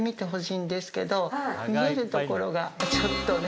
見えるところがちょっとね。